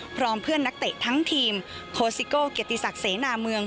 พร้อมเพื่อนนักเตะทั้งทีมโคสิโก้เกียรติศักดิ์เสนาเมือง